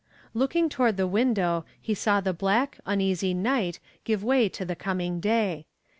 Looking toward the window he saw the black, uneasy night give way to the coming day.